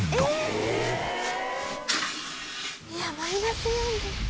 「いやマイナス４度」